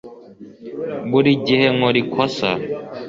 Buri gihe nkora ikosa